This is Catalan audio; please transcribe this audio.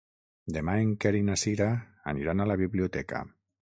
Demà en Quer i na Cira aniran a la biblioteca.